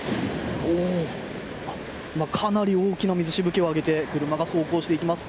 かなり大きな水しぶきを上げて車が走行していきます。